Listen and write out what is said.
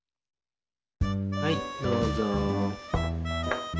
はいどうぞ。